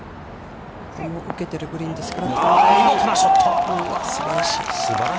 ここも受けているグリーンですから。